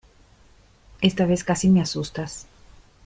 Esta vez casi me asustas.